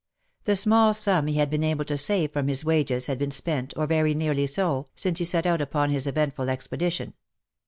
The small sum he had been able to save from his wages had been spent, or very nearly so, since he set out upon his eventful expedition.